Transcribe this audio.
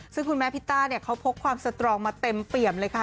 ซึ่งคุณแม่พิต้าเนี่ยเขาพกความสตรองมาเต็มเปี่ยมเลยค่ะ